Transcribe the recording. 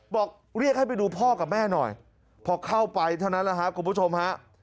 บอกเรียกให้ไปดูพ่อกับแม่หน่อยพอเข้าไปเท่านั้นแหละครับคุณผู้ชมฮะ